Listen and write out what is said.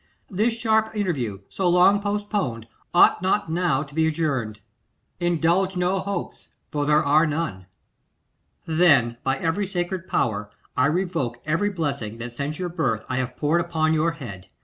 This sharp interview, so long postponed, ought not now to be adjourned. Indulge no hopes, for there are none.' 'Then by every sacred power I revoke every blessing that since your birth I have poured upon your head.